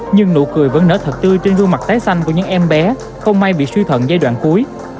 nhưng nụ cười vẫn nở thật tươi trên gương mặt tái xanh của những em bé không may bị suy thận giai đoạn cuối